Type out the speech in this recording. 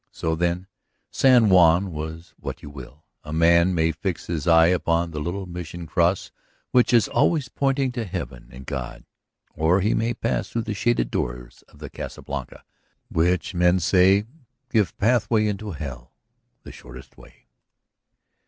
So, then, San Juan was "what you will." A man may fix his eye upon the little Mission cross which is always pointing to heaven and God; or he may pass through the shaded doors of the Casa Blanca, which, men say, give pathway into hell the shortest way.